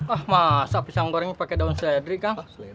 ah masa pisang gorengnya pake daun seledri kang